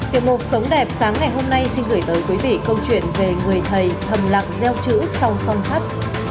tiếp một sống đẹp sáng ngày hôm nay xin gửi tới quý vị câu chuyện về người thầy thầm lặng gieo chữ sau son sắt